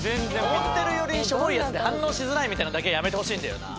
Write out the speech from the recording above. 思ってるよりしょぼいやつで反応しづらいみたいなのだけはやめてほしいんだよな。